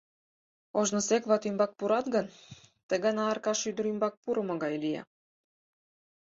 Ожнысек ватӱмбак пурат гын, ты гана Аркаш ӱдыр ӱмбак пурымо гай лие.